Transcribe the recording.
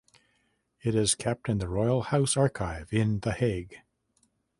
It is kept in the Royal House Archive in The Hague.